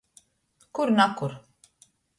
Kur nakur.